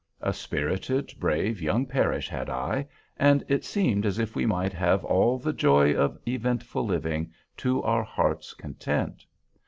A spirited, brave young parish had I; and it seemed as if we might have all "the joy of eventful living" to our hearts' content.